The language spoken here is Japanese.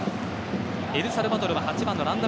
エルサルバドルは８番のランダ